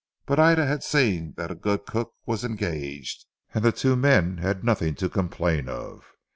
But Ida had seen that a good cook was engaged, and the two men had nothing to complain of.